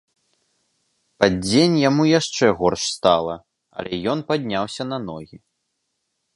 Пад дзень яму яшчэ горш стала, але ён падняўся на ногі.